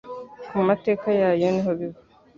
ku mateka yayo niho biva